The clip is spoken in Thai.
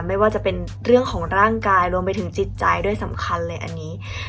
ไม่ว่าจะเป็นเรื่องของร่างกายรวมไปถึงจิตใจด้วยสำคัญเลยอันนี้